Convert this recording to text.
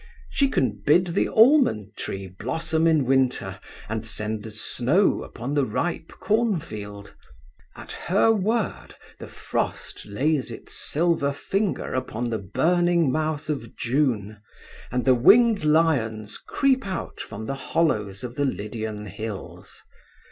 She can bid the almond tree blossom in winter, and send the snow upon the ripe cornfield. At her word the frost lays its silver finger on the burning mouth of June, and the winged lions creep out from the hollows of the Lydian hills.